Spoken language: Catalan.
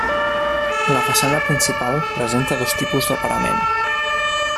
La façana principal presenta dos tipus de parament.